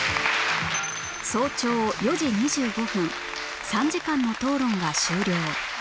早朝４時２５分３時間の討論が終了